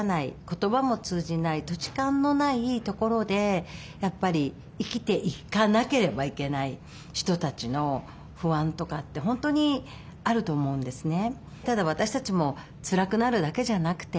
言葉も通じない土地勘のない所でやっぱり生きていかなければいけない人たちの不安とかって本当にあると思うんですね。